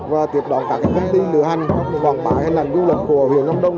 và tiếp đoạn các công ty lựa hành đoàn bãi hay là du lịch của huyện nam đông